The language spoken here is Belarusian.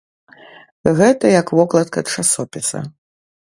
Гэта як вокладка часопіса.